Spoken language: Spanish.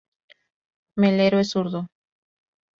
Melero es zurdo.